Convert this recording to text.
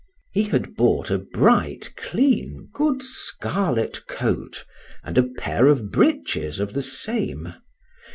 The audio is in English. He had bought a bright, clean, good scarlet coat, and a pair of breeches of the same.